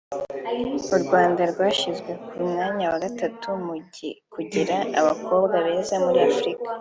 u Rwanda rwashyizwe ku mwanya wa gatatu mu kugira abakobwa beza muri Afurika